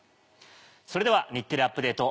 それでは『日テレアップＤａｔｅ！』